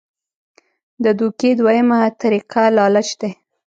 د دوکې دویمه طريقه لالچ دے -